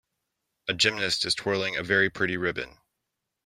A gymnast is twirling a very pretty ribbon.